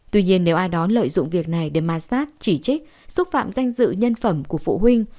tuy nhiên nếu ai đó lợi dụng việc này để ma sát chỉ trích xúc phạm danh dự nhân phẩm của phụ huynh